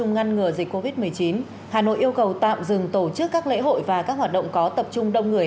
ngăn ngừa dịch covid một mươi chín hà nội yêu cầu tạm dừng tổ chức các lễ hội và các hoạt động có tập trung đông người